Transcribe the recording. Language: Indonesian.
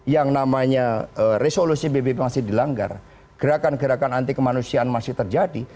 yang namanya resolusi bbb masih dilanggar gerakan gerakan anti kemanusiaan masih terjadi